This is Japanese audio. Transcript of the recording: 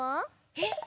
えっ？